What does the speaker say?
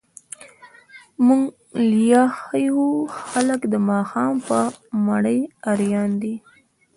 موږ ليا ښه يو، خلګ د ماښام په مړۍ هريان دي.